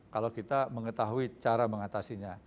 kalau kita mengetahui cara mengatasinya